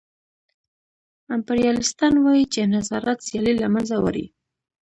امپریالیستان وايي چې انحصارات سیالي له منځه وړي